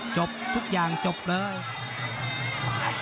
จบทุกอย่างจบเลย